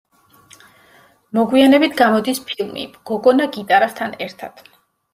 მოგვიანებით გამოდის ფილმი „გოგონა გიტარასთან ერთად“.